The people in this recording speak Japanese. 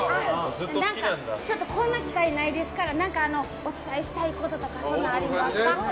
ちょっとこんな機会ないですからお伝えしたいこととかありますか？